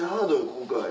今回。